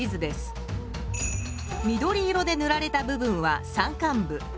緑色でぬられた部分は山間部。